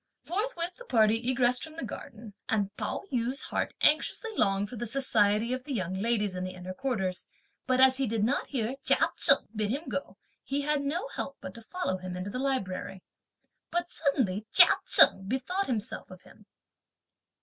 Forthwith the party egressed from the garden, and Pao yü's heart anxiously longed for the society of the young ladies in the inner quarters, but as he did not hear Chia Cheng bid him go, he had no help but to follow him into the library. But suddenly Chia Cheng bethought himself of him.